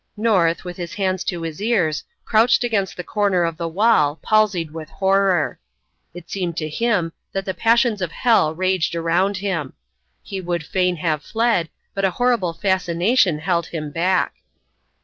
North, with his hands to his ears, crouched against the corner of the wall, palsied with horror. It seemed to him that the passions of hell raged around him. He would fain have fled, but a horrible fascination held him back.